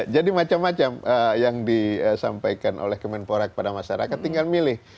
jadi macam macam yang disampaikan oleh kemenporak kepada masyarakat tinggal milih